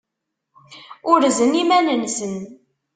Urzen iman-nsen.